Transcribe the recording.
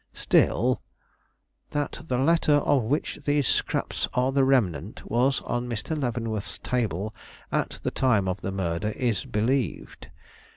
"Still " "That the letter of which these scraps are the remnant was on Mr. Leavenworth's table at the time of the murder is believed.